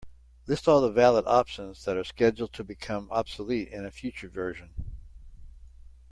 List all the valid options that are scheduled to become obsolete in a future version.